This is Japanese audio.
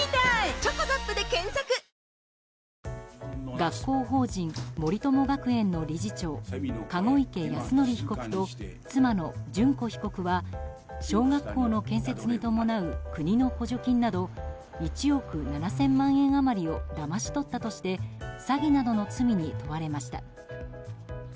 学校法人森友学園の理事長籠池泰典被告と妻の諄子被告は小学校の建設に伴う国の補助金など１億７０００万円余りをだまし取ったとして詐欺などの罪に問われました。